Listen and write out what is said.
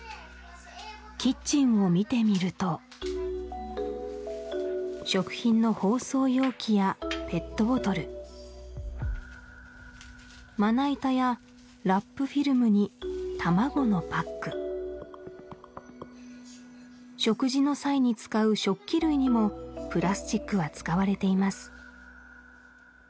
キッチンを見てみると食品の包装容器やペットボトルまな板やラップフィルムに卵のパック食事の際に使う食器類にもプラスチックは使われています